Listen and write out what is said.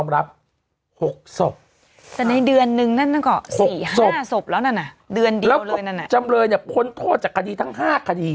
แล้วจำเลยเนี่ยพ้นโทษจากคดีทั้ง๕คดี